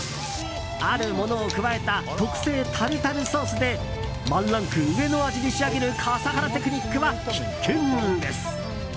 あるものを加えた特製タルタルソースでワンランク上の味に仕上げる笠原テクニックは必見です。